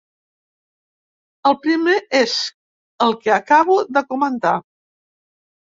El primer és el que acabo de comentar.